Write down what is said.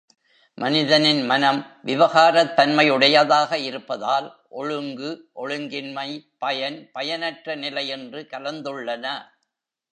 மனிதனின் மனம் விவகாரத் தன்மையுடையதாக இருப்பதால் ஒழுங்கு, ஒழுங்கின்மை, பயன், பயனற்ற நிலை என்று கலந்துள்ளன.